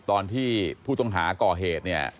ตอนที่ผู้ต้องหาก่อเหตุเนี่ย